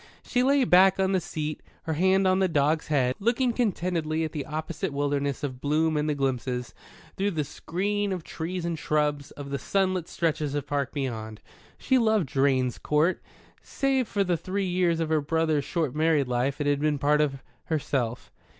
She lay back on the seat, her hand on the dog's head, looking contentedly at the opposite wilderness of bloom and the glimpses, through the screen of trees and shrubs, of the sunlit stretches of park beyond. She loved Drane's Court. Save for the three years of her brother's short married life, it had been part of herself.